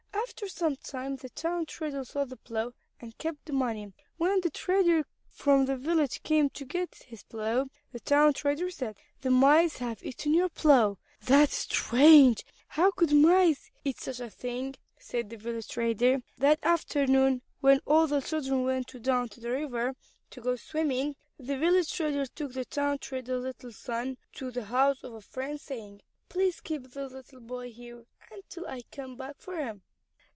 After some time the town trader sold the plow, and kept the money. When the trader from the village came to get his plow the town trader said, "The mice have eaten your plow." "That is strange! How could mice eat such a thing?" said the village trader. That afternoon when all the children went down to the river to go swimming, the village trader took the town trader's little son to the house of a friend saying, "Please keep this little boy here until I come back for him."